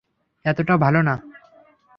এতোটা ভালো না।